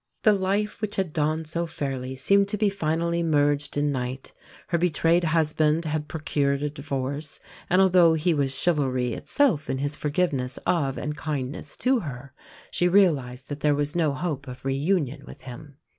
The life which had dawned so fairly seemed to be finally merged in night. Her betrayed husband had procured a divorce; and although he was chivalry itself in his forgiveness of and kindness to her, she realised that there was no hope of reunion with him.